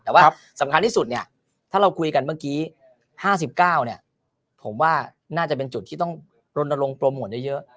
แต่ว่าสำคัญที่สุดเนี่ยถ้าเราคุยกันเมื่อกี้๕๙เนี่ยผมว่าน่าจะเป็นจุดที่ต้องรณรงคโปรโมทเยอะ